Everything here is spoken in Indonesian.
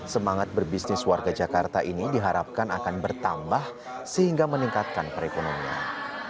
semangat berbisnis warga jakarta ini diharapkan akan bertambah sehingga meningkatkan perekonomian